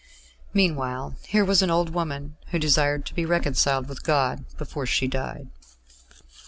Meanwhile here was an old woman who desired to be reconciled with God before she died....